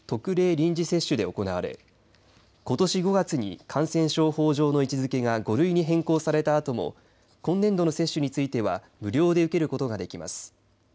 臨時接種で行われことし５月に感染症法上の位置づけが５類に変更されたあとも今年度の接種については無料で受けることができます。